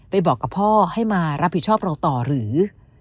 บอกกับพ่อให้มารับผิดชอบเราต่อหรือ